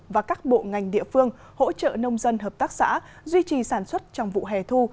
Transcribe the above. và các bộ ngành địa phương hỗ trợ nông dân hợp tác xã duy trì sản xuất trong vụ hè thu